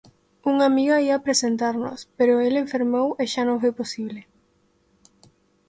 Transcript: Unha amiga ía presentarnos, pero el enfermou e xa non foi posible.